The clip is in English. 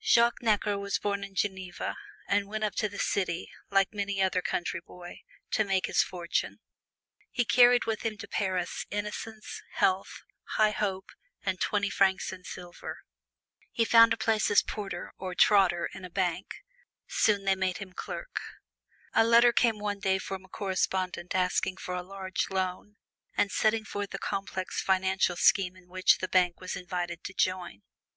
Jacques Necker was born in Geneva, and went up to the city, like many another country boy, to make his fortune. He carried with him to Paris innocence, health, high hope, and twenty francs in silver. He found a place as porter or "trotter" in a bank. Soon they made him clerk. A letter came one day from a correspondent asking for a large loan, and setting forth a complex financial scheme in which the bank was invited to join.